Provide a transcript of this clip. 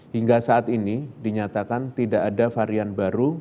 hingga saat ini dinyatakan tidak ada varian baru